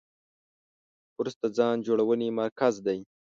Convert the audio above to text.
کورس د ځان جوړونې مرکز دی.